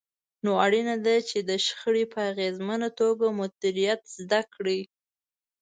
نو اړينه ده چې د شخړې په اغېزمنه توګه مديريت زده کړئ.